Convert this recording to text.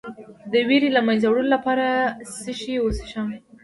د ویرې د له منځه وړلو لپاره باید څه شی وڅښم؟